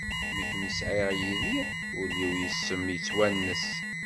Mi kem-sɛiɣ yid-i, ul-iw yess-m yetwennes.